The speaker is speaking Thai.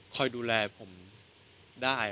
คอยดูแลผมได้